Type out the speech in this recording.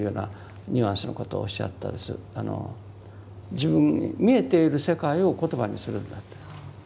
自分に見えている世界を言葉にするんだって。